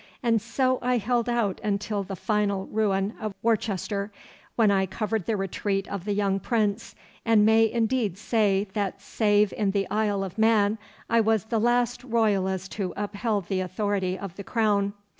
And so I held out until the final ruin of Worcester, when I covered the retreat of the young prince, and may indeed say that save in the Isle of Man I was the last Royalist who upheld the authority of the crown.